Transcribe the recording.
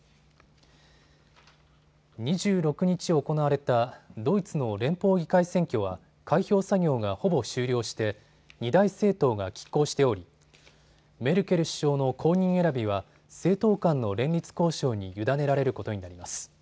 ２６日、行われたドイツの連邦議会選挙は開票作業がほぼ終了して二大政党がきっ抗しており、メルケル首相の後任選びは政党間の連立交渉に委ねられることになります。